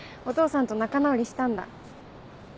お父さんと仲直りしたんだ。